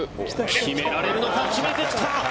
決められるのか、決めてきた！